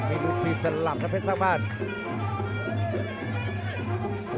อีกมินุธีสำหรับนะเพชรสร้างบ้าน